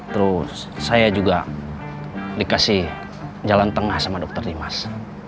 terus saya juga dikasih jalan tengah sama dokter dimas